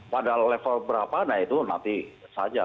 pada level berapa nah itu nanti saja